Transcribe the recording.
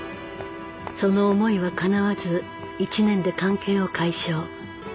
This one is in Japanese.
その思いはかなわず１年で関係を解消。